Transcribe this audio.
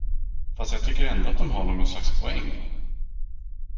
Fast jag tycker ändå att de har något slags poäng?